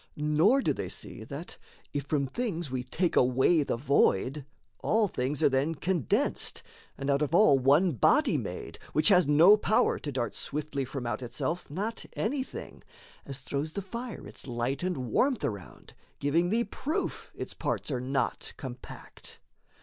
Nor do they see, That, if from things we take away the void, All things are then condensed, and out of all One body made, which has no power to dart Swiftly from out itself not anything As throws the fire its light and warmth around, Giving thee proof its parts are not compact.